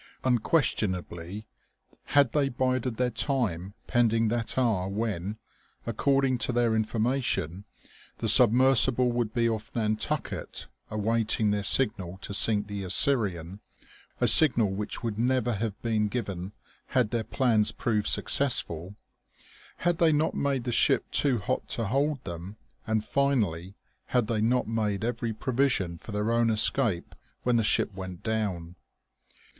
Unquestionably, had they bided their time pending that hour when, according to their information, the submersible would be off Nantucket, awaiting their signal to sink the Assyrian a signal which would never have been given had their plans proved successful, had they not made the ship too hot to hold them, and finally had they not made every provision for their own escape when the ship went down.